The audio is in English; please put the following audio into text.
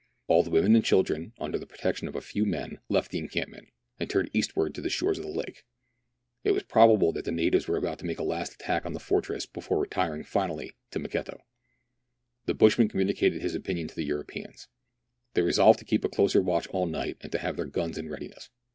All the women and children, under the protection of a few men, left the encampment, and turned eastward to the shores of the lake. It was probable that the natives were about to make a last attack on the fortress before retiring finally to Maketo. The bushman communicated his opinion to the Europeans. They resolved to keep a closer watch all night, and to have their guns in readiness.